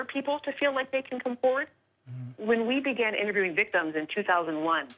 มันเป็นประหลาดที่มีคนที่ง่ายนอบร่วงตามไปก่อน